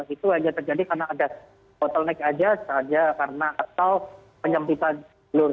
itu hanya terjadi karena ada bottleneck saja karena atau penyempitan telur